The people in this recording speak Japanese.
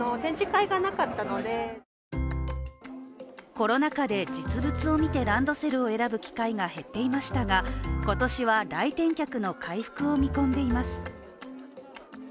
コロナ禍で実物を見てランドセルを選ぶ機会が減っていましたが今年は来店客の回復を見込んでいます。